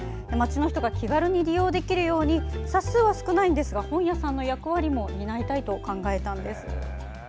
町の人が気軽に利用できるように冊数は少ないんですが本屋さんの役割も担いたいと考えたんです。